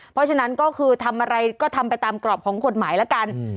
เพราะฉะนั้นก็คือทำอะไรก็ทำไปตามกรอบของกฎหมายแล้วกัน